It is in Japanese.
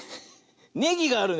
ネギがあるね。